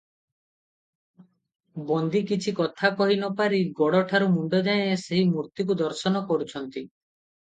ବନ୍ଦୀ କିଛି କଥା କହି ନ ପାରି ଗୋଡ଼ଠାରୁ ମୁଣ୍ତ ଯାଏ ସେହି ମୂର୍ତ୍ତିକୁ ଦର୍ଶନ କରୁଛନ୍ତି ।